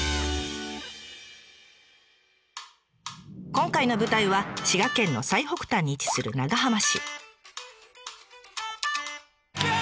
今回の舞台は滋賀県の最北端に位置する長浜市。